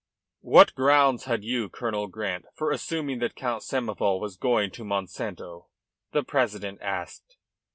"What grounds had you, Colonel Grant, for assuming that Count Samoval was going to Monsanto?" the president asked.